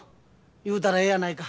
言うたらええやないか。